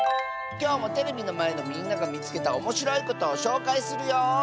きょうもテレビのまえのみんながみつけたおもしろいことをしょうかいするよ！